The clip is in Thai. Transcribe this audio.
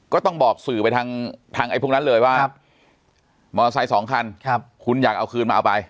ก็ต้องบอกสื่อไปทางไอ้พวกนั้นเลยว่ามอเตอร์ไซค์สองคันคุณอยากเอาคืนมาเอาไป